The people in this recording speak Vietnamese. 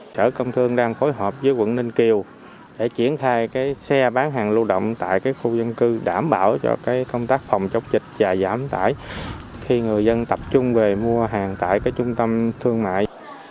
sở công thương đang phối hợp với quận ninh kiều để triển khai xe bán hàng lưu động tại khu dân cư đảm bảo cho công tác phòng chống dịch và giảm tải khi người dân tập trung về mua hàng tại trung tâm thương mại